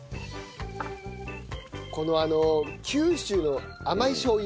この九州の甘いしょう油。